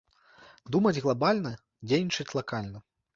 Думаць глабальна, дзейнічаць лакальна.